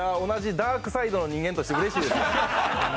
同じダークサイドの人間としてうれしいです。